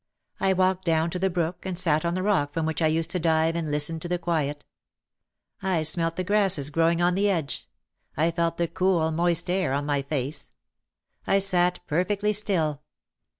I walked down to the brook and sat on the rock from which I used to dive and listen to the quiet. I smelt the grasses grow ing on the edge; I felt the cool, moist air on my face, OUT OF THE SHADOW 305 I sat perfectly still.